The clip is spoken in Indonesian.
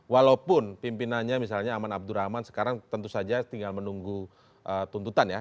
walaupun pimpinannya misalnya aman abdurrahman sekarang tentu saja tinggal menunggu tuntutan ya